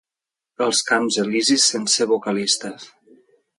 Els camps elisis sense vocalistes.